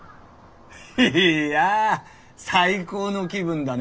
いいや最高の気分だね